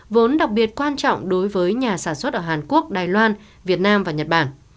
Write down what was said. vốn đặc biệt quan trọng đối với nhà sản xuất ở hàn quốc đài loan việt nam và nhật bản